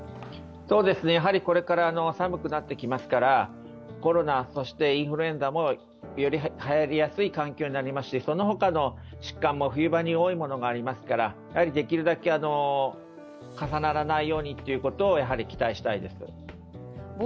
これから寒くなってきますから、コロナ、そしてインフルエンザもより、はやりやすい環境になりますしその他の疾患も冬場に多いものがありますからできるだけ重ならないようにということを期待したいです。